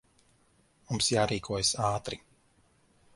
Mums jārīkojas ātri.